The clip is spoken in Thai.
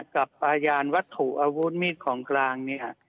กับอาญานวัตถุอาวุธมีดของกลาง